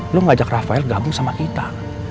lo ngajak rafael gabung sama kita